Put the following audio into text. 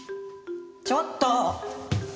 ちょっと！